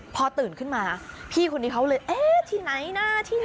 พอตื่นขึ้นมาพี่คนนี้เขาเลยเอ๊ะที่ไหนนะที่ไหน